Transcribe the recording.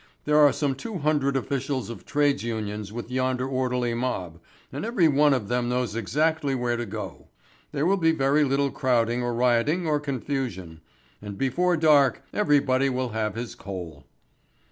There are some two hundred officials of Trades Unions with yonder orderly mob, and every one of them knows exactly where to go. There will be very little crowding or rioting or confusion. And before dark everybody will have his coal."